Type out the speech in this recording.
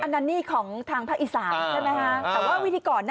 อันนั้นของทางภาคอีสานใช่ไหมฮะ